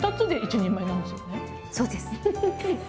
そうです！